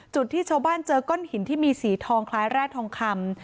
ที่ชาวบ้านเจอก้อนหินที่มีสีทองคล้ายแร่ทองคำ